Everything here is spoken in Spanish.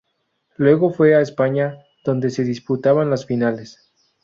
Luego fue a España, donde se disputaban las finales.